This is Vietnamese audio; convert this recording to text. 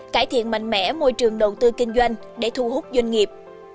cải thiện mạnh mẽ môi trường đầu tư kinh doanh để thu hút doanh nghiệp